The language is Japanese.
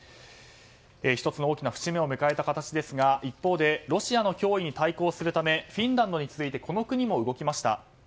１つの大きな節目を迎えた形ですが一方でロシアの脅威に対抗するためフィンランドに続いてこの国も動きました。